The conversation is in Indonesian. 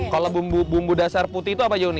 kalau bumbu dasar putih itu apa ya uni